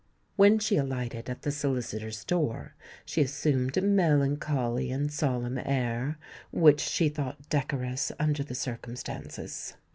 When she alighted at the solicitor's door, she assumed a melancholy and solemn air, which she thought decorous under the circumstances.